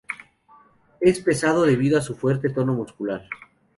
Es pesado debido a su fuerte tono muscular.